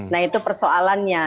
nah itu persoalannya